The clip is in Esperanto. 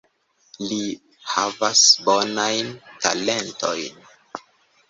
Li havas bonajn talentojn.